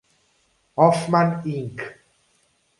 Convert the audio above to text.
Hoffman Inc.